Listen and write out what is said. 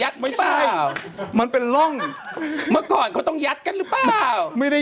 ตอนที่ลงพี่ตั้งใจว่าอะไร